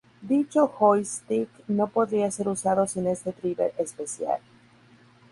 Dicho joystick no podría ser usado sin este driver especial.